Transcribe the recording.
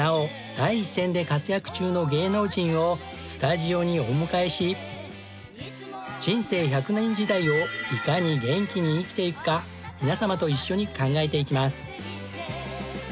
第一線で活躍中の芸能人をスタジオにお迎えし人生１００年時代をいかに元気に生きていくか皆様と一緒に考えていきます。